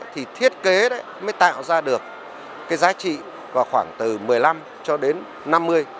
thì thiết kế mới tạo ra được cái giá trị vào khoảng từ một mươi năm cho đến năm mươi